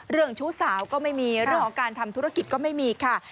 เรื่องชู้สาวก็ไม่มีเอาออกการทำธุรกิจก็ไม่มีค่ะ